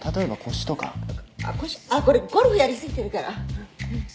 腰あっこれゴルフやり過ぎてるから。